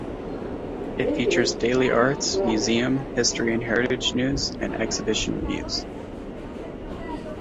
It features daily arts, museum, history and heritage news, and exhibition reviews.